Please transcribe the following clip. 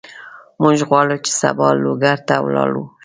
موږ غواړو چې سبا لوګر ته لاړ شو.